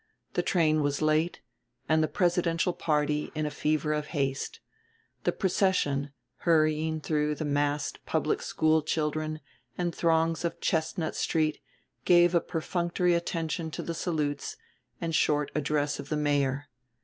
The train was late and the presidential party in a fever of haste the procession, hurrying through the massed public school children and throngs of Chestnut Street, gave a perfunctory attention to the salutes and short address of the mayor.